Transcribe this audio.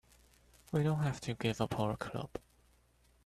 We don't have to give up our club.